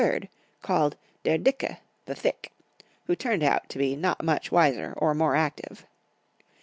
* called der Dicke, the Thick, who turned out not to be much wiser or more active.